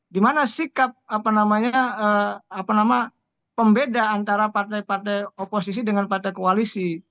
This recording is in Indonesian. di mana sikap apa namanya apa nama pembeda antara partai partai oposisi dengan partai koalisi